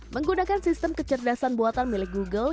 menggunakan sistem kecerdasan buatan milik google